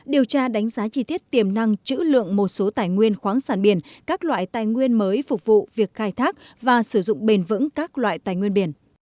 điều tra đánh giá chi tiết tiềm năng chữ lượng một số tài nguyên khoáng sản biển các loại tài nguyên mới phục vụ việc khai thác và sử dụng bền vững các loại tài nguyên biển